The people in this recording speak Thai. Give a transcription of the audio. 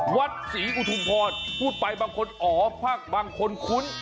วัดศรีอุทุมพรพูดไปบางคนอ๋อภาคบางคนคุ้น